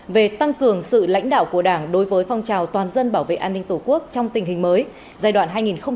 về tăng cường sự lãnh đạo của đảng đối với phong trào toàn dân bảo vệ an ninh tổ quốc trong tình hình mới giai đoạn hai nghìn một mươi chín hai nghìn hai mươi ba